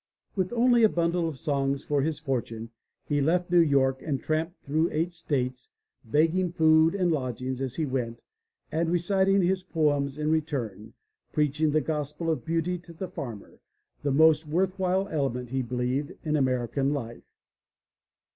With only a bundle of songs for his fortune, he left New York and tramped through eight states, begging food and lodgings as he went and re citing his poems in return, preaching the gospel of beauty to the farmer, the most worth while element, he believed, in American life.